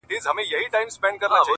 شپې یې ډېري تېرېدې په مېلمستیا کي؛